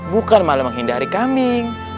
bukan malah menghindari kambing